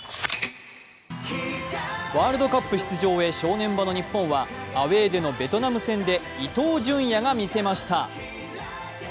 ワールドカップ出場へ正念場の日本はアウェーでのベトナム戦で伊東純也が見せました。